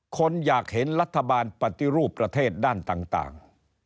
คนอยากเห็นรัฐบาลปฏิรูปประเทศด้านต่าง